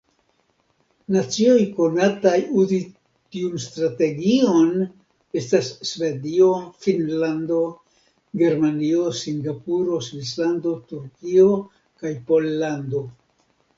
Nacioj konataj uzi tiun strategion estas Svedio, Finnlando, Germanio, Singapuro, Svislando, Turkio kaj Pollando.